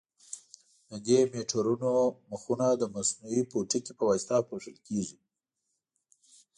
د دې میټرونو مخونه د مصنوعي پوټکي په واسطه پوښل کېږي.